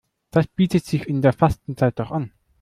Das bietet sich in der Fastenzeit doch an.